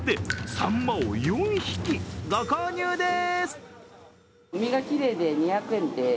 さんまを４匹ご購入でーす！